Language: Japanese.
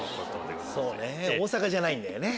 そうね大阪じゃないんだよね。